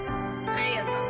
ありがとう。